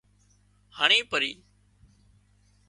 هڻي پرِي